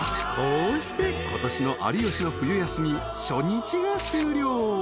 ［こうして今年の『有吉の冬休み』初日が終了］